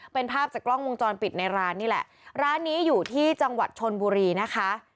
เป็นภาพจากกล้องวงจรปิดในร้านนี่แหละร้านนี้อยู่ที่จังหวัดชนบุรีนะคะ